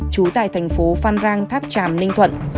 trú tại thành phố phan rang tháp tràm ninh thuận